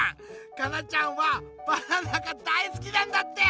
かなちゃんはバナナがだいすきなんだって！